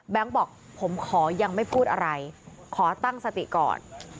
บอกผมขอยังไม่พูดอะไรขอตั้งสติก่อน